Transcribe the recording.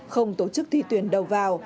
không tổ chức thi tuyển đầu vào